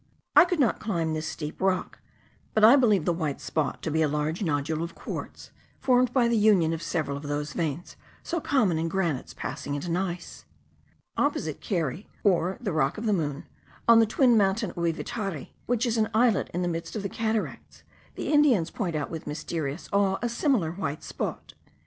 I could not climb this steep rock, but I believe the white spot to be a large nodule of quartz, formed by the union of several of those veins so common in granites passing into gneiss. Opposite Keri, or the Rock of the Moon, on the twin mountain Ouivitari, which is an islet in the midst of the cataracts, the Indians point out with mysterious awe a similar white spot.